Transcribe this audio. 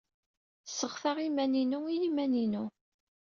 Sseɣtaɣ iman-inu i yiman-inu.